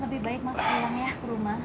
lebih baik masuk pulang ya ke rumah